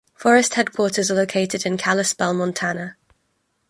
Forest headquarters are located in Kalispell, Montana.